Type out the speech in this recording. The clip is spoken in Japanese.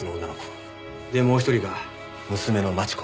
でもう１人が娘の真智子。